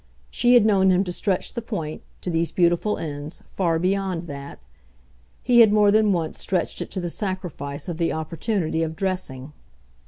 She had known him to stretch the point, to these beautiful ends, far beyond that; he had more than once stretched it to the sacrifice of the opportunity of dressing.